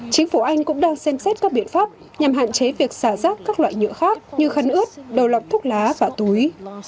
chính phủ anh cũng đang xem xét các biện pháp nhằm hạn chế việc xả rác các loại nhựa khác như khăn ướt đầu lọc thuốc lá và túi